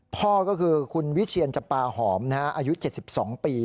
พ่อก็คือคุณวิเชียนจำปาหอมอายุ๗๒ปี